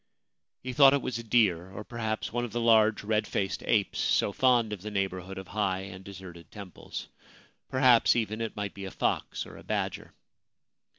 He thought it was a deer, or perhaps one of the large red faced apes so fond of the neighbourhood of high and deserted temples ; perhaps, even, it might be a fox or a badger.